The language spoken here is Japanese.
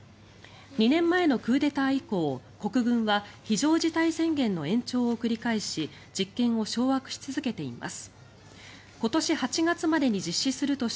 ２年前のクーデター以降国軍は非常事態宣言の延長を繰り返し実権を掌握し続けています。